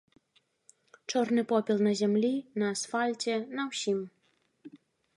Чорны попел на зямлі, на асфальце, на ўсім.